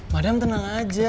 madam tenang aja